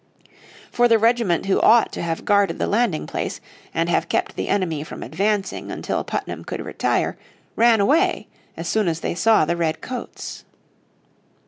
For the regiment who ought to have guarded the landing place, and have kept the enemy from advancing until Putnam could retire, ran away as soon as they saw the red coats.